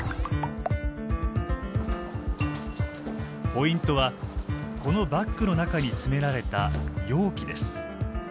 ポイントはこのバッグの中に詰められた容器です。